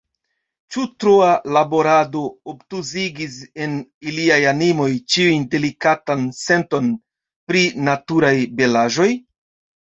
Ĉu troa laborado obtuzigis en iliaj animoj ĉiun delikatan senton pri naturaj belaĵoj?